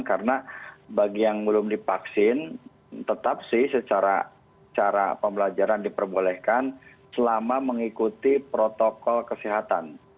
karena bagi yang belum dipaksin tetap sih secara pembelajaran diperbolehkan selama mengikuti protokol kesehatan